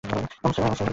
আমার ছেলেটা চলে গেলো।